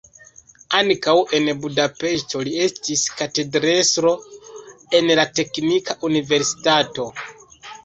Ankaŭ en Budapeŝto li estis katedrestro en la teknika universitato.